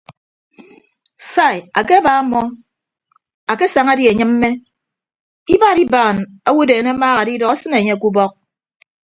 Sai akeba mọọ akesaña die anyịmme ibad ibaan owodeen amaaha adidọ asịne anye ke ubọk.